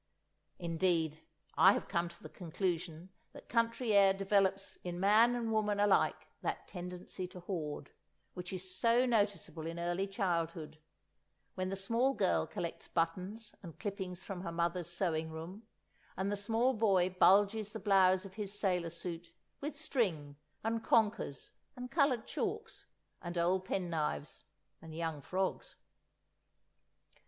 Indeed, I have come to the conclusion that country air develops in man and woman alike that tendency to hoard, which is so noticeable in early childhood, when the small girl collects buttons and clippings from her mother's sewing room, and the small boy bulges the blouse of his sailor suit with string and "conquers" and coloured chalks, and old penknives and young frogs.